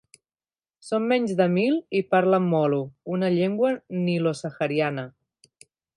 Són menys de mil i parlen molo, una llengua nilosahariana.